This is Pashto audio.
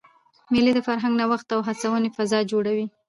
مېلې د فرهنګي نوښت او هڅوني فضا جوړوي.